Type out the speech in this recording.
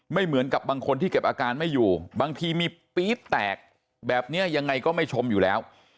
เหมือนกับบางคนที่เก็บอาการไม่อยู่บางทีมีปี๊ดแตกแบบนี้ยังไงก็ไม่ชมอยู่แล้ว